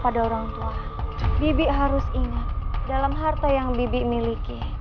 dalam harta yang bibi miliki